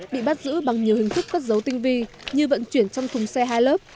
bị bắt giữ bằng nhiều hình thức cất dấu tinh vi như vận chuyển trong thùng xe hai lớp